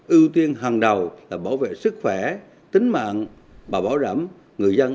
thứ ba ưu tiên hàng đầu là bảo vệ sức khỏe tính mạng và bảo đảm người dân